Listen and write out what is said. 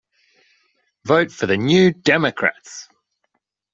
Vote for the New Democrats!